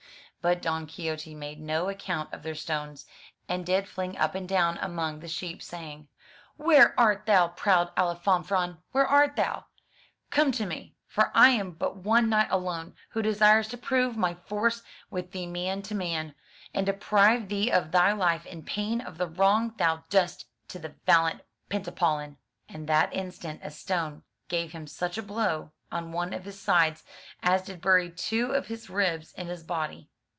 But Don Quixote made no account of their stones, and did fling up and down among the sheep, saying: "Where art thou, proud Alifamfaron? Where art thou? Come to me; for I am but one knight alone, who desires to prove my force with thee man to man, and deprive thee of thy life, in pain of the wrong thou dost to the valiant Pentapolin.'* At that instant a stone gave him such a blow on one of his sides, as did bury two of his ribs in his body.